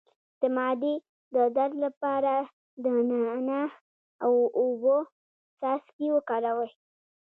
د معدې د درد لپاره د نعناع او اوبو څاڅکي وکاروئ